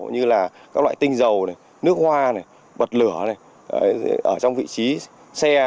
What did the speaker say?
như là các loại tinh dầu nước hoa bật lửa ở trong vị trí xe